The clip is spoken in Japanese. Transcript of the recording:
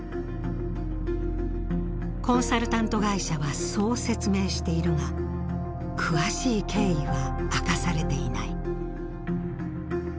コンサルタント会社はそう説明しているが詳しい経緯は明かされていない。